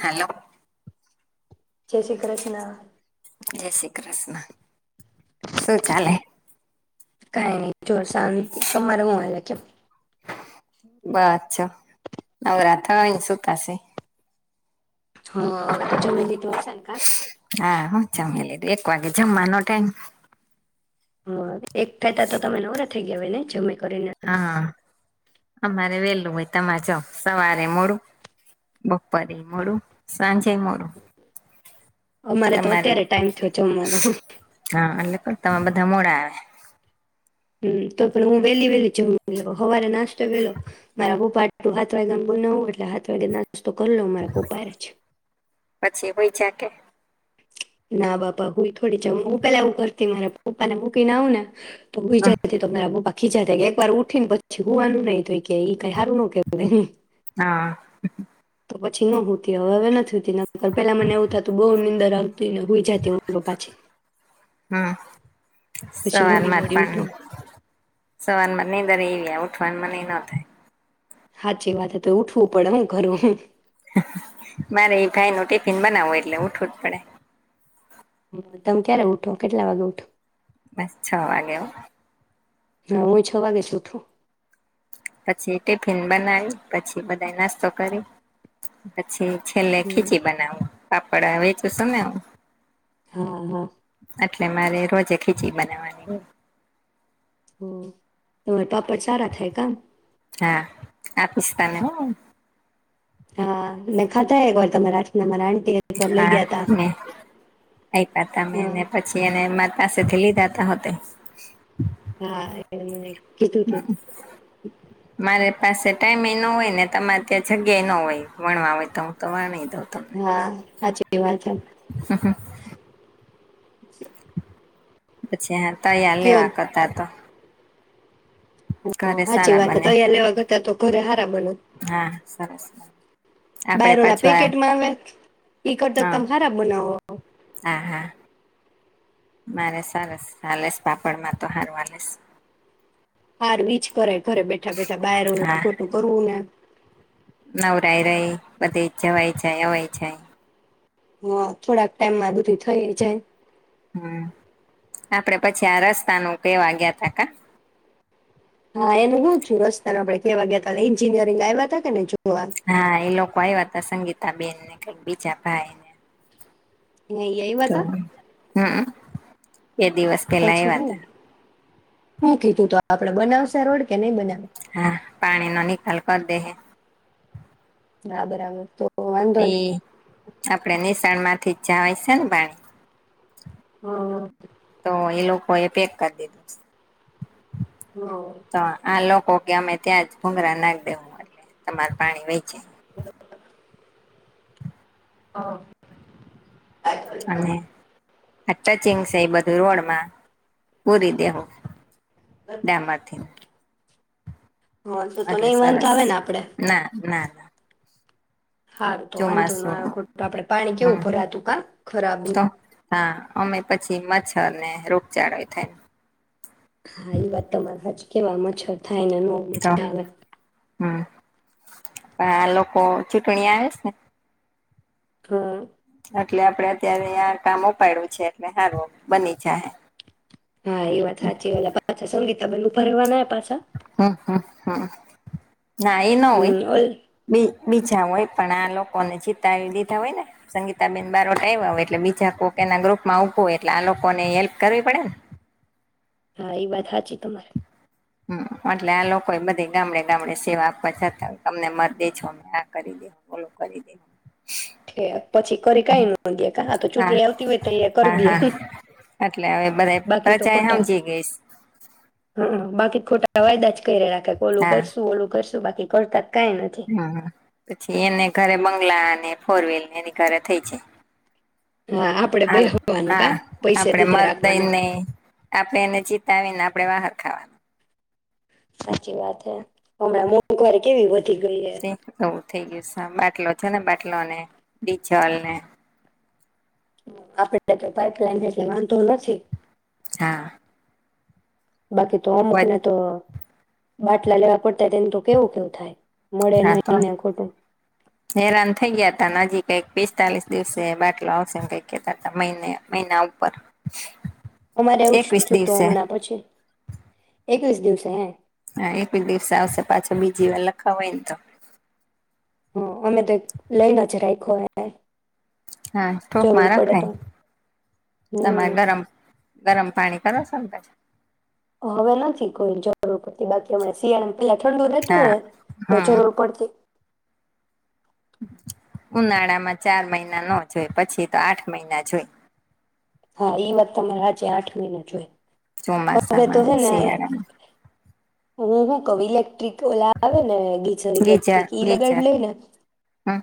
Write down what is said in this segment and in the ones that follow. Hello. જય શ્રી કૃષ્ણ. જય શી કૃષ્ણ. શું ચાલે? કાય નય જો સાંતિ. તમારે હૂ હાલે ક્યો? બ છો નવરા થઈ ન સુતા સે. હા, હવે તો જમી લીધું હયસે ન કા? હા હું જમી લીધું એક વાગે જમવાનો ટાઈમ. હમ્મ, એક થતા તો તમે નવરા થઈ ગયા હોય ને જમીન. હા. અમારે વેલું હોય તમારે જમ સવારે મોડું, બપોરેય મોડું, સાંજેય મોડું. અમારે તો તમારે અત્યારે ટાઈમ થયો જમવાનો. હા એટલે તમે બધા મોડા આવે. હમ્મ, તો પણ હું વહેલી વેલી-વેલી જમી લઉ હવારે નાસ્તો વેલો મારા બુપાટું હાથ વેગે બનાવું એટલે હાથ વાગે ના તો કરલો મારા પપ્પાને જ પછી ભઈ ચા કે ના બાપા હું થોડી જ હું પેલા એવું કરતી મારા પપ્પાને મૂકીને આવું ને તો બી હમ જાય [unintelligible] ખીજાતા એક વાર ઉઠી ને પછી હૂવાનું નઈ તો ઈ કે ઈ. કઈ હારું ન કેવું નહિં, હા તો હવે નથી હુ પેલા મને એવું થતું બહુ નીંદર આવતી ને હુઈ જાતી હું પાછી હમ્મ પછી મોડી સવારમાં જ મોડી પણ ઉઠો સવાર માં નીંદરય એવી ખાઈનર મને એ ન થાય. હાચી વાત તો ઉઠવું પડે હું કરવું. મારે એ ભાઈ નું ટિફિન બનાવવું એટલે ઉઠવું જ પડે. તમે ક્યારે ઉઠો કેટલા વાગે ઉઠો? બસ છ વાગે હો હા હું છ વાગે ઊઠું. પછી ટિફિન બનાવી પછી બધા નાસ્તો કરી છી છેલ્લે હમ ખીચી બનાવું. કપડા વચે [inaudible] હા હા. એટલે મારે રોજે ખીચી બનાવાની. હમ્મ તમારે પાપડ સારા થાય કા. હા આપીશ તને હા મેં ખાધા એક વાર તમારા હાથના [inaudible] લઈ હા ગયા તા મે [inaudible] તમેં હા પછી એને મા પાસેથી લીધા. જતા હોતે. હા એને કીધું તું. મારે પાસે ટાઈમે ન હોય ને તમારે ત્યાં જગ્યા ન હોય ભણવા હોય તો હું તો વાણી હા હાચી. કેવા છે. [unintelligible] [inaudible] પછી હા તળિયાર કયો લેવા કરતા તો. ઘરે હાચી સારા વાત તો બને તૈયાર લેવા કરતા તો ઘરે હારા બને. હા સરસ આપડે બાયરો રોલા પાછું આ પેકેટમાં આવે ઈ કરતા તો હા હારા બનાવો. હા હા મારે સરસ હાલેસ પાપડમાં તો હારવાલેસ. હાર વીચ કરે. ઘરે બેઠા બેઠા બાયરુલુ હા ખોટું કરવું ને. નવરાય રહી, બધી જવાય જાય અવાય જાય, હ થોડાક ટાઈમમાં બધી થઈ જાય. હમ્મ, આપડે પછી આ રસ્તાનું કેવા ગયા તા ક. હા એને છું રસ્તાને આપણે કેવા ગયા ત એન્જિનિયરિંગ આવ્યા હતા કે ને જોવા એ હા એ લોકો આવ્યા હતા સંગીત આ બેનને કઈક બીજા ભાઈને આવ્યા તા હમ્મ, કે દિવસ કંઈ પછી લાવ્યા હું તા, હું કીધું તો આપડે બનાવશે રોડી. હા, પાણીનો નિકાલ કર દે હે, હા, બરાબર તો, વાંધો એ નહી આપડે નેસ તાણમાંથી જવાય છે, ને પાણી. હા તો એ લોક હ, એ પેક કરી દેસ. ત આ લોકો ગમે ત્યાં જ ભુંંગરા નાખદે, એટલે તમાર પાણી વેચે એ લોક તા અ અને, આ ટચિંગ છે, એ બધું રોડમાં પૂરી દેહું ડેમમાંથી. હ, તું તો નહી વાંધો સરસ આવે ને આપડે. ના ના ના હા, તો વાંધો ન ચોમાસું ખોટું આપડે પાણી કેવું હમ ભરાતું ક તો ભરાબધૂ. હા અમે પછી મચ્છર ને રોગચાળો એ થાય. હા, એ વાત તમારા જ કેવામાં છ. થઈને નો મ છ તો આવે. હમ આ લોકો ચૂંટણી આવે છે. હા એટલે આપડે અત્યારે કામ ઉપાડું છે એટલે સારું બની જહે. હા, એ વાત સાચી [unintelligible] બનું ફરવાના પાછા. હમ હમ હમ ના એ ન હોય હમ ઓલ બી બીજા હોય પણ આ લોકોને જીતાવી દીધા હોય ને સંગીતાબેન બારોટ આવ્યા હોય એટલે બીજા કોક એના ગ્રુપમાં ઊભો હોય એટલે આ લોકોને હેલ્પ કરવી પડે ને. હા, એ વાત સાચી તમારે. હમ એટલે આ લોકો એ બધે ગામડે ગામડે સેવા આપવા જતાં તમને મત દે છો મે આ કરી દે ઓલું કરી દે. [unintelligible] પછી કરી કઈ ન દ આ તો હા ચૂંટણી આવતી હોય તો હા કરી હા દએ એટલે હવે બધા બાકી તો પ્રજા ખોટા સમજી ગઈશ હ બાકી ખોટા અવાદા જ [unintelligible] ઓલું હા કરશું ઓલું કસ તો બાકી કરતા. કાઈ નથી હમ, પછી એને ઘરે બંગલાને ફોર વ્હીલર ને કાર થઈ છે. હા આપડે હ બેહવાનું કા હા પૈસા આપડે દીધા મત દઈ રાખવાના ને આપે એને ચીતાવીને આપડે વાહન ખાવાનું. સાચી વાત હે, હમણાં મોંઘવારી કેવી વધી ગઈ હે થઈ ગયું સામના કે ઓછા ના બાટ અટલોને બીચવાલને. આપડ તો પાઈપલાઈન એટલે વાંધો નથી. હા. બાકી તો અમુક ને તો બાટલા લેવા પડતા તેનું તો કેવું કેવું થાય. મળે હા તો નહીં ને ખોટું હેરાન થઈ ગયા. નજીક કઈક પિસ્તાલીસ દિવસે બાટલો આવશે ને કઈક કેતા મહિને મહિના ઉપર. અમારે એવું જ એકવીસ થયું તો દિવસે હમણાં પછી, એકવીસ દિવસ. હે. હા એક દિવસ આવશે પાછો બીજી વાર લખાવયને તો. હ અમે તો લઈને જ રાયખો હે. હા જરૂર થોકમાં પડે તો રખાય, હમ તમારે ગરમ. ગરમ પાણી કરો છો ને પછી. હવે નથી કોઈ જરૂર પડતી બાકી હમણા શિયાળ પ ઠંડુ રહેેતું ને, હા તો હમ જરૂર પડતી. ઉનાળામાં ચાર મહિના ન જોય પછી તો આઠ મહિના જોય. હા ઈ વાત તમારે આજે આઠ મહિના જોઈ. ચોમાસામાં ને શિયાળામાં. હું હું કવિ ઇલેક્ટ્રિક ઓલા આવે ને ગીઝર ગીજર ઇલેક્ટ્રિક ઈ લગડ ગીજર લે ને. હમ.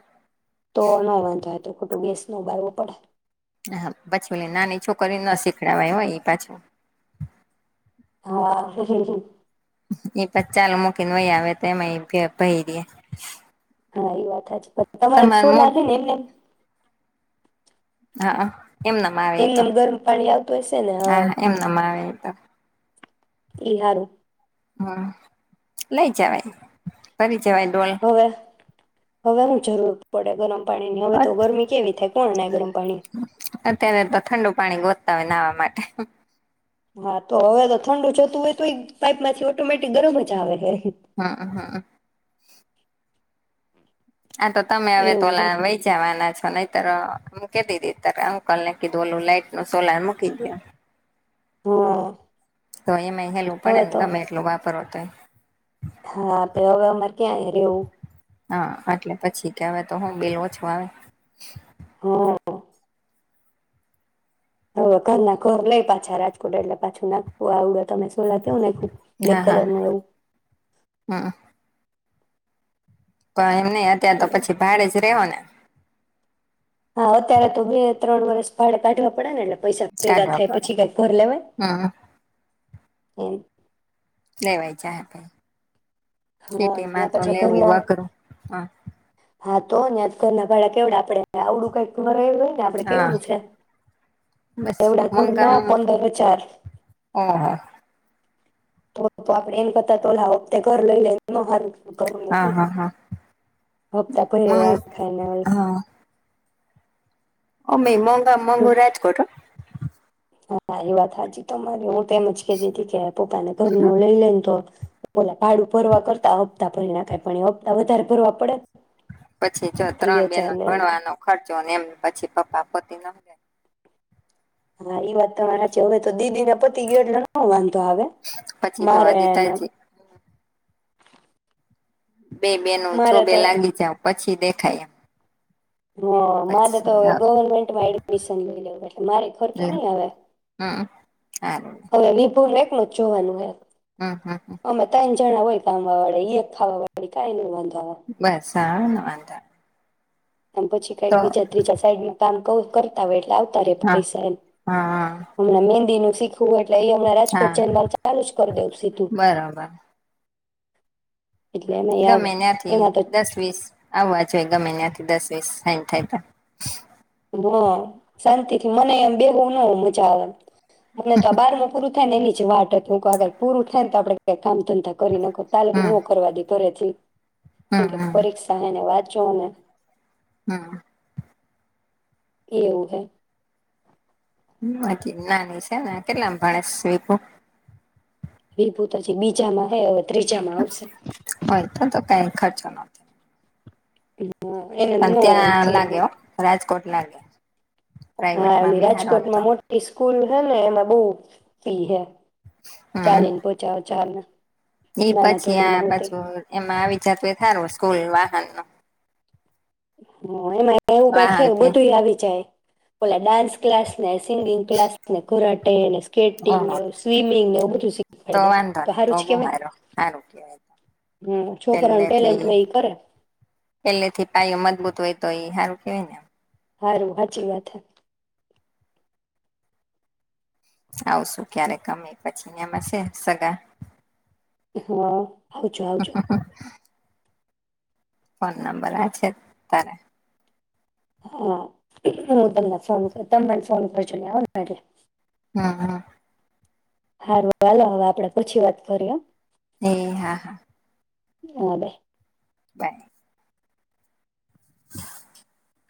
તો નો વાંધો આવે તો ગેસ નોધાવો ભાવવો પડે. હ પછ ઓલી નાની છોકરી ના શીખડવાય હોય એ પાછું. હા હું હું હું. એ પછ ચાલ મૂકીને વહી આવે તો એમાં હા એ વાત હાચી. પછ તમારે તમાર સો મોટ લાગે ને એમનેમ. હા અ. એમનામ આવે તો, એમનેમ ગરમ પાણી આવતું હશે ને હા એમનામ આવે તો. એ હારું. હમ, લઈ જવા ફરી હોવે, હોવે હ જરૂર પડે ગરમ પાણી ની હવે તો ગરમી કેવી થાય. કોણ નાય ગરમ. પાણી અત્યારે તો ઠંડુ પાણી ગો તમે નાવા માટે. હા તો હવે તો ઠંડુ જતું હોય તો એ પાઈપ માંથી ઓટોમેટિક ગરમ જ આવે હે. હઅ હઅ. આા તો તમે હવે તો એવું વહી જવાના છો નઈ ત મૂકી દીધી ત્યારે અંકલ ને કીધું ઓલું લાાઈટ નું સોલાર મૂકી દયો. હે હા તો એમાં હેલું પડેને હવે તો ગમે એટલું વાપર. તય. હા તો હવે અમારે ક્યાં રેવું. હા એટલે પછી કેવા તો હું બિલ ઓછું આવે. હ અ. હવે ઘરના ઘર લઈ પાછા રાજકોટ એટલે પાછું નાગ આવડે તમે છ તોલર તેવું નાયખું બ્લેક હા હા કલર ન એવું. કાય નહી અત્યારે તો એવું પછી ભાડે જ રવો ના. હા અત્યારે તો મેં ત્રણ વરષ ભાડે કાઢવા પડ્યા ને એટલે પૈસા પેદા કાઢવા થાય પડે પછી કાઈ ઘર લેવાય. હમ [unintelligible] લેવાય છે ભાઈ. હા સિટીમાં ત્યાં તો પાછા લેવું ઘરના અઘરું હ. હા તો ન્યાં તો ઘરના ભાડા કેવડા આપડે હે આવડું કઈક ઘરે તો આપડે હા કેવું છે બસ એવડા ઘર મોંઘા ના પંદર હજાર. ઓહો તો તો આપડે એમ કરતા તો ઓલા હપતે ઘર લઈ લઈ એ ન હારું. ઘરનું. હા હા હા હપ્તા ભયરે રાખાયને. અમેય ઓલું [unintelligible] રાજકોટ હો. હા એ વાત હાચી તમારી હું તો એમજ કેતીતી કે પોતાનું ઘરનું લઈ લઈને તો ઓલુ ભાડુ ભરવા કરતા હપ તા ભરી નખાય પણ એ હપ્તા વધારે ભરવા પડે. પછી જો ત્રી ત્રણ બેનો હજાર ને ભણવાનો ખર્ચો એમ પછી પપ્પા પોતી ન [unintelligible] [inaudible] હા ઈ વાત તો મારા છેવે તો દીદી ના [unintelligible] પતિ ગયો એટલે ન વાંધો આવે પછી જો હજી મારેને તજી [unintelligible] બે બે ન જો મારે બે તો લાગી જાાવ પછી [unintelligible] દેખાય એ હ મારે તો હવે ગવર્મેન્ટમાં એડમિશન લઈ લેવ એટલે મારી ખર્ચો નહી આવે. [unintelligible] હા હવે વિપુર ને એકલો જ જોવાનો હે. હમ હા હા હોયામવા વાે ખાવાી કઈ ન વાંધે [unintelligible] બસ આ વાંધા [unintelligible] મ પછી કઈક બીજા ત્રીજા સાઈડમાં કામ [unintelligible] કરતા વટ [unintelligible] હા પૈસા એ હા હમણાં મંદી ન [unintelligible] શીખું એ એટલે અહી હમણાં હા રાજકોટ જનલ ચાલુ જ કરી દઉવ સીધું [unintelligible] બરોબર એટલે એમાં આવે ગમે નથીથી એમાં તો દસ વીસ આવવાજ [unintelligible] ગ મહિના થી દસ વીસ સાન થાય ત [unintelligible] હ શાંતિ થી મને એમ બેગ ન મજા આવે [unintelligible] આપને દબાર મોકરું [unintelligible] ને એનીચ વાત હતું આગર પૂરું થાય તો આપડે [unintelligible] કામ ધંધા કરી નાખ તાલગી હમ ન કરવા દ કરે છે. કેમ હમ કે હમ પરીક્ષાને વાત [unintelligible] ચોને હમ એવું હૈ બાકી નાની છે ને કેટલામ ભણે સ્પું [unintelligible] વિભૂતજી બીજામાં હે [unintelligible] ત્રીજામાં આવશે [unintelligible] થ તો કંઈ ખર્ચો ન થાય. હ [inaudible] પણ ત્યાં લાગ્યો, રાજકોટ નાગ [inaudible] હા એ રાજકોટમાં મોટી સ્, ફુલ હે ને એમાં બવ પી હે. ચાલીને પચા હજારને. એ પછી આ પાછું એમાં આવી જાતુ ઇતુ થારું સ્કૂલ વાહનમાં. હા. હ એમાં એવું કાંઈક વાહન યે થી બધું આવી જાય. ઓલા ડાન્સ ક્લાસ નેશ સિંગિંગ ક્લાસને ખોરાટેને સ્કેટિંગ ઓહો સ્વિમિંગ ને એવું બધું તો શીખવાડ દે વાંધો તો નહી સારું જ બહુ કેવાય. સારો સારું કેવાય હું છોકરાવ ને ટેલેન્ટ પેલેથી હોય કરે. સૂતો હોય તોય સારું કે‌ નેમ. હારું સાચી વાત છે. આવશું ક્યારેક ગમે પછી નયા અમારે શેન સગા. હું આવજો આવજો. ફોન નંબર આ છે ને તારા? હું તમને ફોન તમે ફોન કરજો ન્યા આવો ત્યારે. હા હા. હારૂ તો હાલો હવે આપડે પછી વાત કરીએ. એ હા હા. બાઈ. બાઈ. [inaudible]